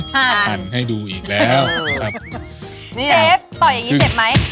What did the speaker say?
เชฟต่อยอย่างงี้เจ็บไหม